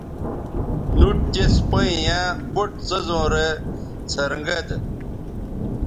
نُٹ تِس پیئں ییاں بُٹ څیزوں رے څھنر گید